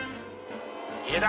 池田